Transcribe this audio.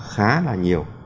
khá là nhiều